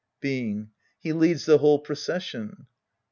Being. He leads the whole procession.